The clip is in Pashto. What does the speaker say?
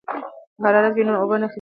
که حرارت وي نو اوبه نه یخیږي.